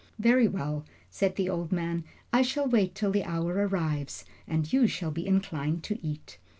"Very well," said the old man, "I shall wait till the hour arrives, and you shall be inclined to eat."